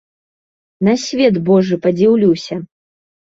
На свет божы падзіўлюся.